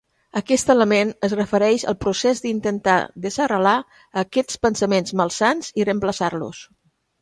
Aquest element es refereix al procés d'intentar desarrelar aquests pensaments malsans i reemplaçar-los.